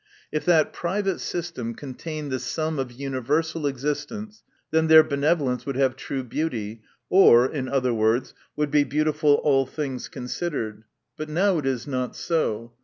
If that private system contained the sum of universa* existence, then their benevolence would have true beauty ; or, in other words, would be beautiful, all things considered ; but now it is not so.